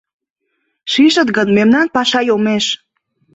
Шижыт гын, мемнан паша йомеш.